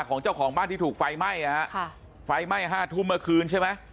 ของเจ้าของบ้านที่ถูกไฟไหม้อ่ะฮะค่ะไฟไหม้ห้าทุ่มเมื่อคืนใช่ไหม